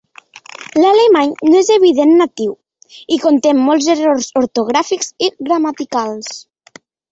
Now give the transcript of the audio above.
L'alemany no és evidentment natiu, i conté molts errors ortogràfics i gramaticals.